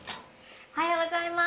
おはようございます。